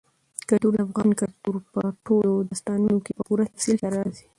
کلتور د افغان کلتور په ټولو داستانونو کې په پوره تفصیل سره راځي.